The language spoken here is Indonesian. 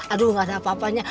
aduh gak ada apa apanya